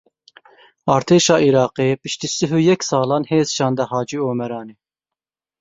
Artêşa Iraqê piştî sih û yek salan hêz şande Hacî Omeranê.